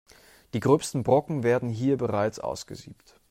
Die gröbsten Brocken werden hier bereits ausgesiebt.